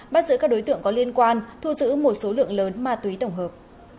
bắt giữ các đối tượng có liên quan thu giữ một số lượng lớn ma túy tổng hợp